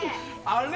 あれ？